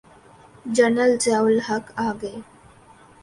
General Zia الحق آ گئے۔